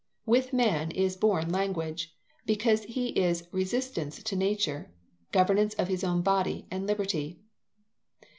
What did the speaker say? With man is born language, because he is resistance to nature, governance of his own body, and liberty.